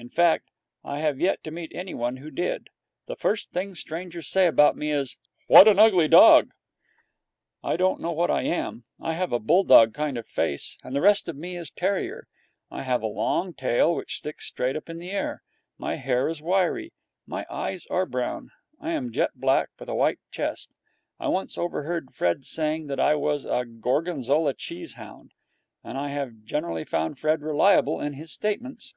In fact, I have yet to meet anyone who did. The first thing strangers say about me is, 'What an ugly dog!' I don't know what I am. I have a bulldog kind of a face, but the rest of me is terrier. I have a long tail which sticks straight up in the air. My hair is wiry. My eyes are brown. I am jet black, with a white chest. I once overheard Fred saying that I was a Gorgonzola cheese hound, and I have generally found Fred reliable in his statements.